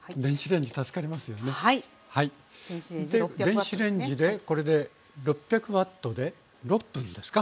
電子レンジでこれで６００Ｗで６分ですか？